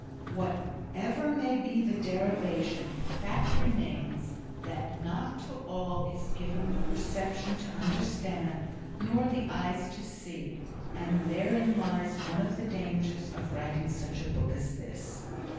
Whatever may be the derivation the fact remains that not to all is given the perception to understand, nor the eyes to see, and therein lies one of the dangers of writing such a book as this.